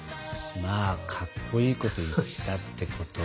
まあかっこいいこと言ったってこと。